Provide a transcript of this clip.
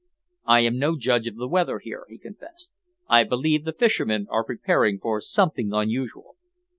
"I am no judge of the weather here," he confessed. "I believe the fishermen are preparing for something unusual."